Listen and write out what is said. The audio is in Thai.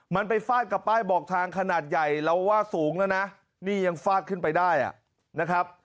มันไปฟาดกับป้ายบอกทางขนาดใหญ่เราว่าสูงแล้วนะนี่ยังฟาดขึ้นไปได้นะครับ